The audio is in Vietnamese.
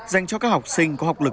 dành cho các học sinh có học lực yếu